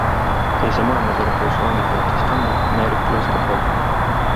Teise maailmasõja lõpus vangitati Stangl ameeriklaste poolt.